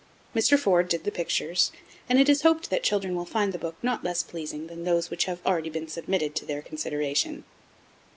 Mr. Ford did the pictures, and it is hoped that children will find the book not less pleasing than those which have already been submitted to their consideration.